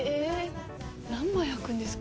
何枚はくんですか？